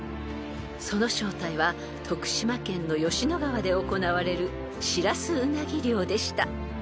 ［その正体は徳島県の吉野川で行われるシラスウナギ漁でした］